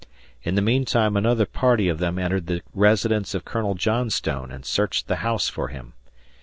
In the meantime another party of them entered the residence of Colonel Johnstone and searched the house for him.